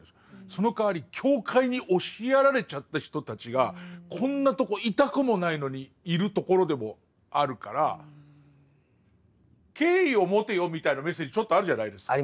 そのかわり境界に押しやられちゃった人たちがこんなとこいたくもないのにいるところでもあるから「敬意を持てよ」みたいなメッセージちょっとあるじゃないですか。